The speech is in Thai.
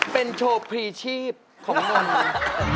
เป็นโชว์พรีชีพของนนท์